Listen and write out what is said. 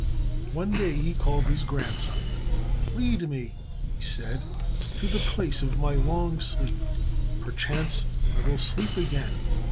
One day he called his grandson. "Lead me," he said, "to the place of my long sleep. Perchance I will sleep again.